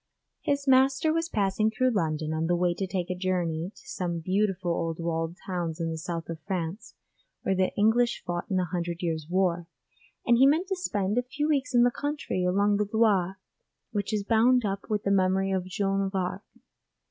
His master was passing through London on the way to take a journey to some beautiful old walled towns in the south of France where the English fought in the Hundred Years War, and he meant to spend a few weeks in the country along the Loire which is bound up with the memory of Joan of Arc.